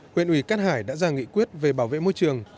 huyện ủy cát hải đã ra nghị quyết về bảo vệ môi trường